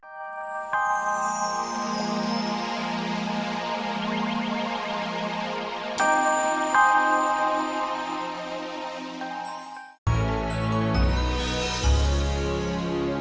pak apa kabarnya